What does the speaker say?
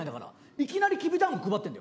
いきなりきび団子配ってんだよ？